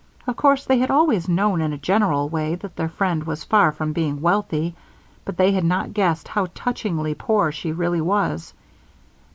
Of course they had always known in a general way that their friend was far from being wealthy, but they had not guessed how touchingly poor she really was.